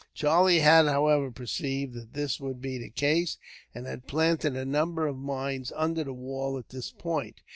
Charlie had, however, perceived that this would be the case, and had planted a number of mines under the wall at this point.